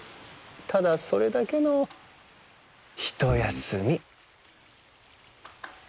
ただそれだけのひとやすみ。